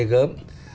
mà tự nhiên